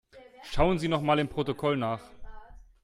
Schauen Sie nochmal im Protokoll nach.